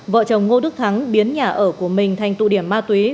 vợ chồng ngô đức thắng biến nhà ở của mình thành tụ điểm ma túy